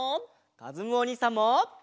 かずむおにいさんも。